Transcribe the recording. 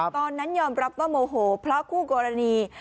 ตอนนั้นยอมรับว่าโมโหเพราะคู่กรณี